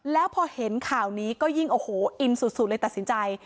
แล้วพอเห็นข่าวนี้ก็ยิ่งโอ้โหอินสุดเลยตัดสินใจ